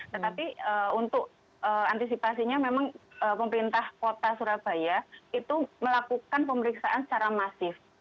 tetapi untuk antisipasinya memang pemerintah kota surabaya itu melakukan pemeriksaan secara masif